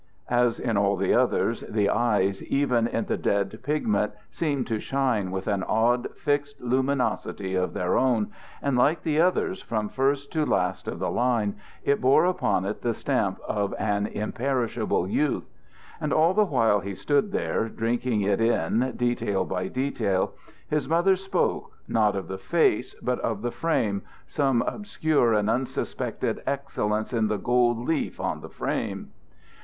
As in all the others, the eyes, even in the dead pigment, seemed to shine with an odd, fixed luminosity of their own, and like the others from first to last of the line, it bore upon it the stamp of an imperishable youth. And all the while he stood there, drinking it in, detail by detail, his mother spoke, not of the face, but of the frame, some obscure and unsuspected excellence in the gold leaf on the frame.